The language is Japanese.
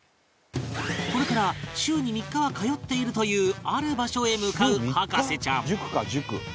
これから週に３日は通っているというある場所へ向かう博士ちゃん